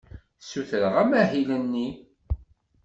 Ssutreɣ amahil-nni.